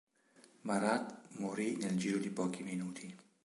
Marat morì nel giro di pochi minuti.